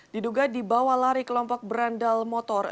diduga di bawah lari kelompok berandal motor